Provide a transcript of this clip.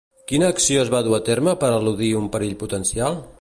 Quina acció es va dur a terme per eludir un perill potencial?